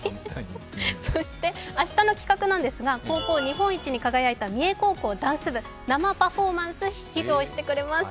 そして明日の企画なんですが、高校日本一に輝いた三重高校ダンス部、生パフォーマンスを披露してくれます。